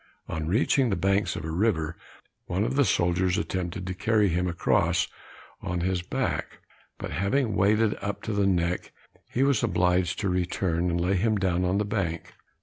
On reaching the banks of a river, one of the soldiers attempted to carry him across on his back; but having waded up to the neck, he was obliged to return, and lay him down on the bank.